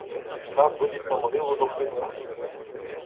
Штаб виліз на могилу до хреста.